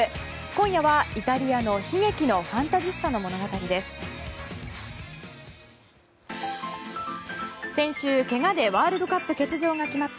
今夜はイタリアの悲劇のファンタジスタの物語です。